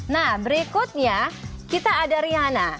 nah berikutnya kita ada riana